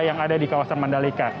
yang ada di kawasan mandalika